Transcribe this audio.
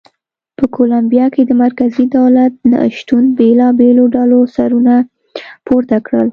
په کولمبیا کې د مرکزي دولت نه شتون بېلابېلو ډلو سرونه پورته کړل.